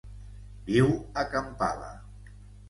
Viu a Kampala.